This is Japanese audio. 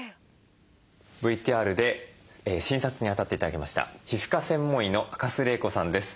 ＶＴＲで診察にあたって頂きました皮膚科専門医の赤須玲子さんです。